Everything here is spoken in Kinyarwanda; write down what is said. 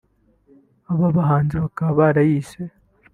aba bahanzi bakaba barayise